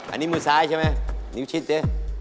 อันนี้มือซ้ายใช่ไหมนิ้วชิดสิ